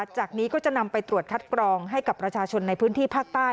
จากนี้ก็จะนำไปตรวจคัดกรองให้กับประชาชนในพื้นที่ภาคใต้